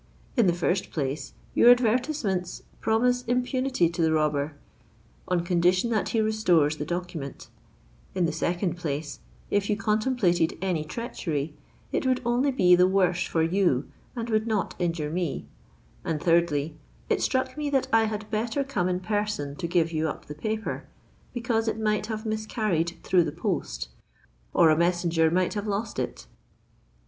"In the first place your advertisements promise impunity to the robber, on condition that he restores the document; in the second place, if you contemplated any treachery, it would only be the worse for you and would not injure me; and thirdly, it struck me that I had better come in person to give you up the paper, because it might have miscarried through the post, or a messenger might have lost it.